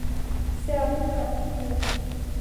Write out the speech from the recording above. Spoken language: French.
C'est à nouveau un triomphe.